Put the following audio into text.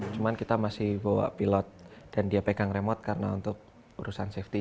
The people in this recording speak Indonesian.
cuman kita masih bawa pilot dan dia pegang remote karena untuk urusan safety